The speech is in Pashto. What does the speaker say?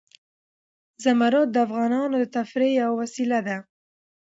زمرد د افغانانو د تفریح یوه وسیله ده.